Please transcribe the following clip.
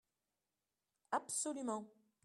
Absolument